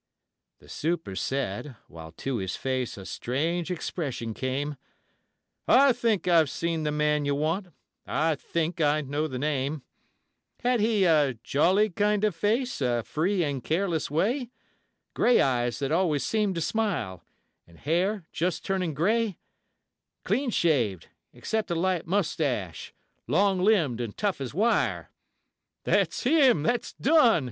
The super said, while to his face a strange expression came: 'I THINK I've seen the man you want, I THINK I know the name; Had he a jolly kind of face, a free and careless way, Gray eyes that always seem'd to smile, and hair just turning gray Clean shaved, except a light moustache, long limbed, an' tough as wire?' 'THAT'S HIM! THAT'S DUNN!'